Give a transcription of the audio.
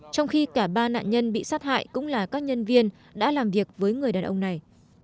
trong khi cả ba nạn nhân bị sát hại cũng là các nhân viên đã làm việc với người đàn ông này